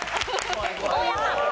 大家さん。